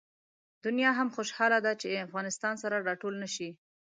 دنیا هم خوشحاله ده چې افغانستان سره راټول نه شي.